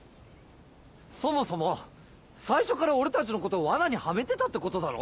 そもそも最初から俺たちのことを罠にはめてたってことだろ？